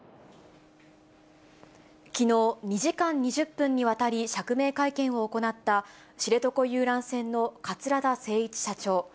きのう、２時間２０分にわたり釈明会見を行った、知床遊覧船の桂田精一社長。